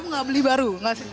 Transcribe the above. lu nggak beli baru